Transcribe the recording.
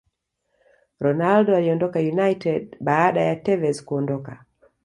Ronaldo aliondoka United baada ya Tevez kuondoka